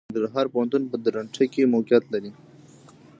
د ننګرهار پوهنتون په درنټه کې موقعيت لري.